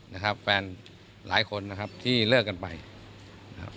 นะครับแฟนหลายคนนะครับที่เลิกกันไปนะครับ